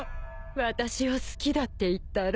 私を好きだって言ったろ。